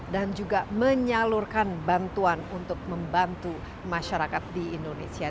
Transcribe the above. dan juga menyalurkan bantuan untuk membantu masyarakat di indonesia